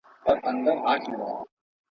عمر تېر سو پاچا زوړ نیوي کلن سو.